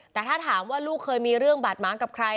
แต่ถ้าถามว่าลูกเคยมีเรื่องบาดม้างกับใคร